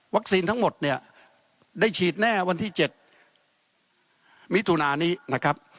ทั้งหมดเนี่ยได้ฉีดแน่วันที่๗มิถุนานี้นะครับ